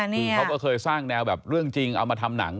คือเขาก็เคยสร้างแนวแบบเรื่องจริงเอามาทำหนัง